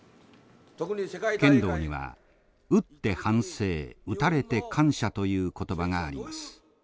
剣道には「打って反省打たれて感謝」という言葉があります。